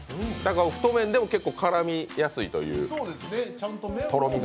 太麺でも結構絡みやすいという、とろみが。